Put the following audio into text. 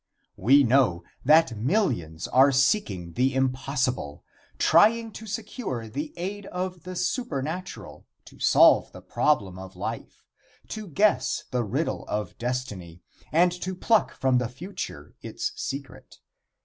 We know that millions are seeking the impossible trying to secure the aid of the supernatural to solve the problem of life to guess the riddle of destiny, and to pluck from the future its secret.